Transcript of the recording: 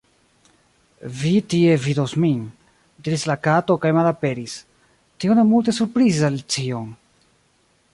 "Vi tie vidos min," diris la Kato kaj malaperis! Tio ne multe surprizis Alicion.